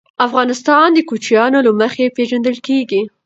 افغانستان د کوچیانو له مخي پېژندل کېږي.